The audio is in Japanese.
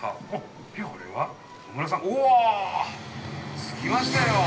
うわぁ、つきましたよ。